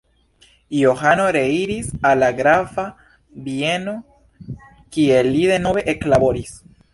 Johano reiris al la grafa bieno kie li denove eklaboris.